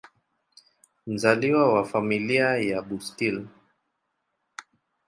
Mzaliwa wa Familia ya Bustill.